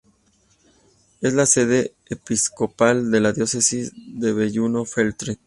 Es la sede episcopal de la diócesis de Belluno-Feltre.